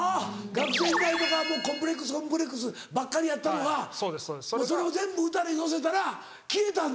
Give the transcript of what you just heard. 学生時代とかコンプレックスコンプレックスばっかりやったのがそれを全部歌に乗せたら消えたんだ。